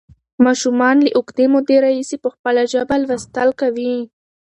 ماشومان له اوږدې مودې راهیسې په خپله ژبه لوستل کوي.